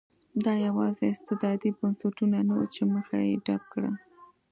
دا یوازې استبدادي بنسټونه نه وو چې مخه یې ډپ کړه.